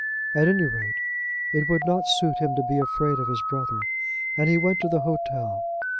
At any rate it would not suit him to be afraid of his brother, and he went to the hotel.